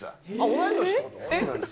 同い年ってこと？